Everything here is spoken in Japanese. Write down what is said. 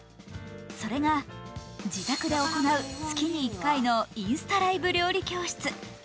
それが自宅で行う月に１回のインスタライブ料理教室。